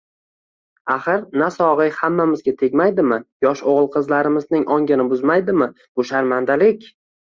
Axir, nasog`i hammamizga tegmaydimi, yosh o`g`il-qizlarimizning ongini buzmaydimi bu sharmandalik